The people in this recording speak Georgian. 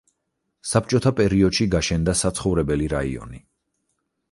საბჭოთა პერიოდში გაშენდა საცხოვრებელი რაიონი.